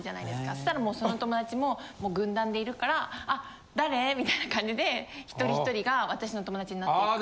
そしたらその友達ももう軍団でいるから「誰？」みたいな感じで１人１人が私の友達になっていく。